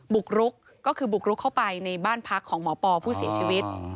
บุกรุกก็คือบุกรุกเข้าไปในบ้านพักของหมอปอผู้เสียชีวิต